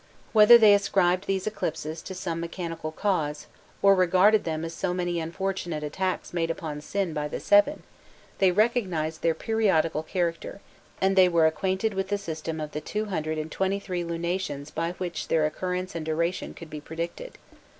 * Whether they ascribed these eclipses to some mechanical cause, or regarded them as so many unfortunate attacks made upon Sin by the seven, they recognized their periodical character, and they were acquainted with the system of the two hundred and twenty three lunations by which their occurrence and duration could be predicted.